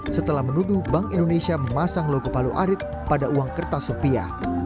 setelah menuduh bank indonesia memasang logo palu arit pada uang kertas rupiah